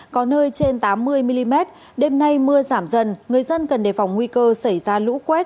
có nơi trên tám mươi mm đêm nay mưa giảm dần người dân cần đề phòng nguy cơ xảy ra lũ quét